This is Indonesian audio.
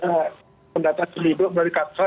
pendataan terlibat dari kakta